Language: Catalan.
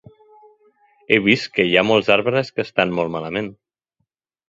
He vist que hi ha molts arbres que estan molt malament.